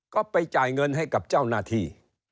ก็ไปจ่ายเงินให้กับเจ้าหน้าที่